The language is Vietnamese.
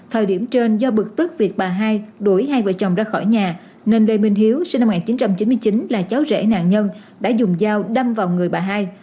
thời điểm trên do bực tức việc bà hai đuổi hai vợ chồng ra khỏi nhà nên lê minh hiếu sinh năm một nghìn chín trăm chín mươi chín là cháu rễ nạn nhân đã dùng dao đâm vào người bà hai